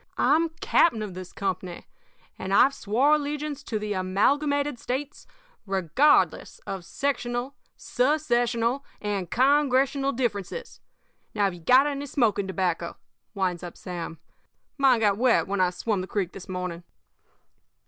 I'm captain of this company, and I've swore allegiance to the Amalgamated States regardless of sectional, secessional, and Congressional differences. Have you got any smoking tobacco?' winds up Sam. 'Mine got wet when I swum the creek this morning.'